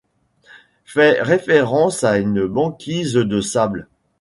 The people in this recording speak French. Fait référence à une banquise de sable.